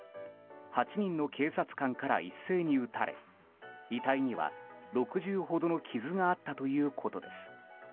８人の警察官から一斉に撃たれ遺体には６０ほどの傷があったということです。